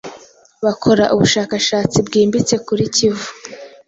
bakora ubushakashatsi.bwimbitse kuri kivu